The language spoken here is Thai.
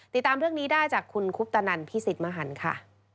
ติดตามเรื่องนี้ได้จากคุณคุปตนันพิสิทธิ์มหันค่ะ